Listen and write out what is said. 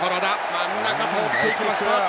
真ん中、通っていきました。